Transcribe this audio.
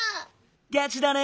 ガチだね。